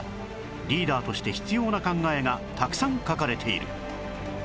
リーダーとして必要な考えがたくさん書かれている